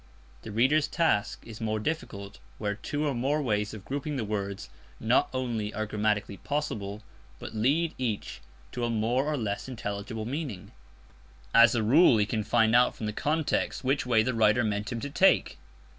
The reader's task is more difficult where two or more ways of grouping the words not only are grammatically possible, but lead each to a more or less intelligible meaning. As a rule he can find out from the context which way the writer meant him to take.